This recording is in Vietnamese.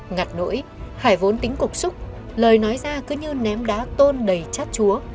ngặt nỗi hải vốn tính cục xúc lời nói ra cứ như ném đá tôn đầy chát chúa